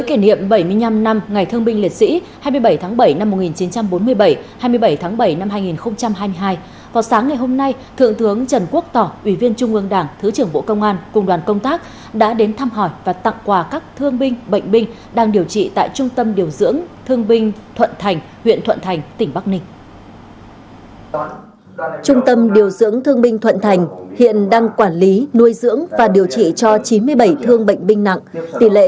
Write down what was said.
với kỷ niệm bảy mươi năm năm ngày thương binh liệt sĩ hai mươi bảy tháng bảy năm một nghìn chín trăm bốn mươi bảy hai mươi bảy tháng bảy năm hai nghìn hai mươi hai vào sáng ngày hôm nay thượng tướng trần quốc tỏ ủy viên trung ương đảng thứ trưởng bộ công an cùng đoàn công tác đã đến thăm hỏi và tặng quà các thương binh bệnh binh đang điều trị tại trung tâm điều dưỡng thương binh thuận thành huyện thuận thành tỉnh bắc ninh